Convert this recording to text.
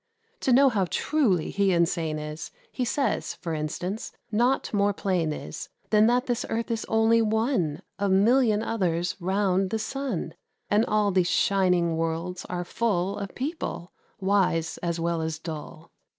To know how truly he insane is, He says, for instance, nought more plain is, Than that this earth is only one Of million others round the sun; And all these shining worlds are full Of people, wise as well as dull.